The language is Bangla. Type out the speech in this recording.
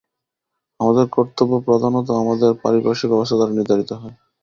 আমাদের কর্তব্য প্রধানত আমাদের পারিপার্শ্বিক অবস্থা দ্বারা নির্ধারিত হয়।